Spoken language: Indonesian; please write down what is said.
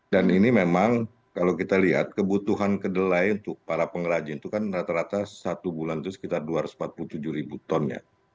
dan ini memang kalau kita lihat kebutuhan kedelai untuk para pengrajin itu kan rata rata satu bulan itu sekitar dua ratus empat puluh tujuh ribu ton ya